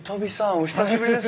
お久しぶりです。